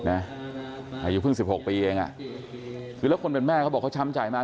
อายุเพิ่ง๑๖ปีเองคือแล้วคนเป็นแม่เขาบอกเขาช้ำใจมาก